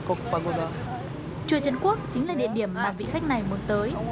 chùa trần quốc chính là địa điểm mà vị khách này muốn tới